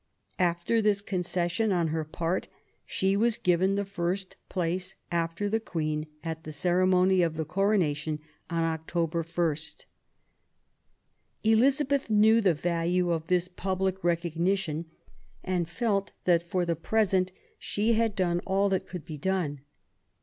After this concession on her part she was given the first place after the Queen at the ceremony of the Coronation on October i. Elizabeth knew the value of this public recognition, and felt that for the present she had done all that could be done.